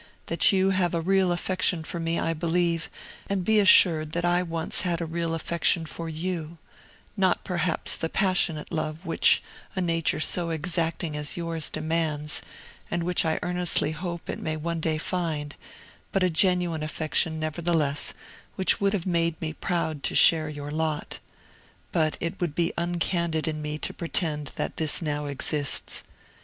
That you have a real affection for me I believe, and be assured that I once had a real affection for you; not, perhaps, the passionate love which a nature so exacting as yours demands, and which I earnestly hope it may one day find, but a genuine affection nevertheless, which would have made me proud to share your lot. But it would be uncandid in me to pretend that this now exists.